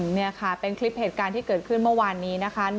นี่ค่ะเป็นคลิปเหตุการณ์ที่เกิดขึ้นเมื่อวานนี้นะคะ